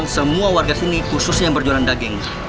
semua warga sini khususnya yang berjualan daging